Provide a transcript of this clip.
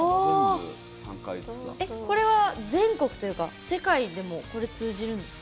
これは全国というか世界でもこれ、通じるんですか？